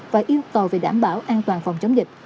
và yêu cầu về đảm bảo an toàn phòng chống dịch